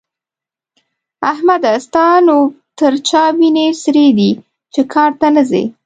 احمده! ستا نو تر چا وينې سرې دي چې کار ته نه ځې؟